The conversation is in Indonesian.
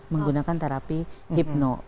menggunakan terapi hipno